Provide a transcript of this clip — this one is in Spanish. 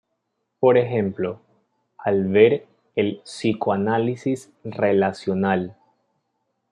Por ejemplo, al ver el "psicoanálisis relacional".